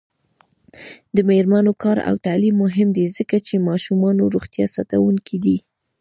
د میرمنو کار او تعلیم مهم دی ځکه چې ماشومانو روغتیا ساتونکی دی.